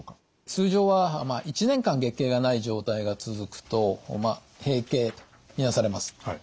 通常は１年間月経がない状態が続くと閉経と見なされます。